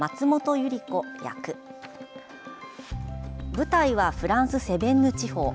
舞台はフランスセヴェンヌ地方。